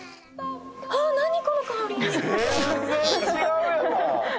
全然違うやん！